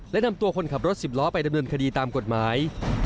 และนำตัวคนขับรถสิบล้อไปดำเนินคดีตามกฎหมาย